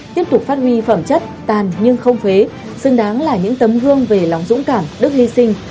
tiếp tục phát huy phẩm chất tàn nhưng không phế xứng đáng là những tấm gương về lòng dũng cảm đức hy sinh